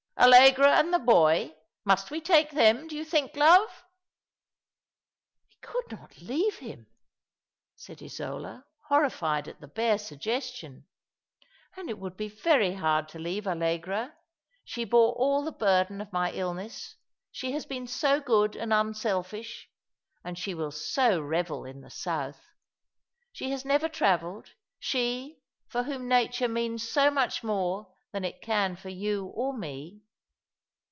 ''Allegra, and the boy! Must we take them, do you tliink, love ?"" We could not leave him," said Isola, horrified at the bare suggestion; "and it would be very hard to leave Allegra. She bore all the burden of my illness. She has been so good and unselfish. And she will so revel in the South. She has never travelled, she, for whom Nature means so much more than it can for you or me."